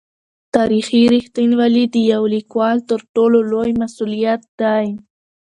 تاریخي رښتینولي د یو لیکوال تر ټولو لوی مسوولیت دی.